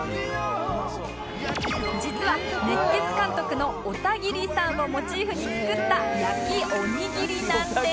実は熱血監督の小田切さんをモチーフに作った焼きおにぎりなんです